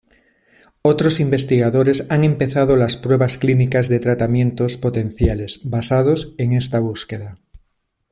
Otros investigadores han empezado las pruebas clínicas de tratamientos potenciales basados en esta búsqueda.